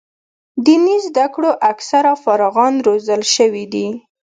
دیني زده کړو اکثره فارغان روزل شوي دي.